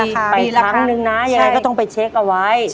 อีกครั้งนึงนะยังไงก็ต้องไปเช็คเอาไว้